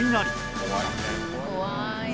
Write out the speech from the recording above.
怖い。